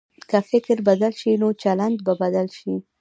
که فکر بدل شي، نو چلند به بدل شي.